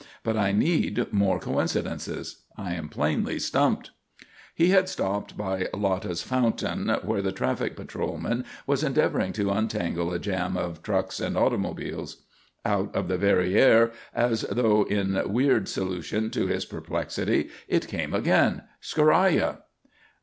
But I need more coincidences. I am plainly stumped." He had stopped by Lotta's Fountain where the traffic patrolman was endeavouring to untangle a jam of trucks and automobiles. Out of the very air, as though in wierd solution to his perplexity, it came again: "Scoraya!"